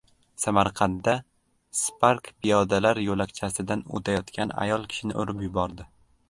Samarqandda "Spark" piyodalar yo‘lakchasidan o‘tayotgan ayol kishini urib yubordi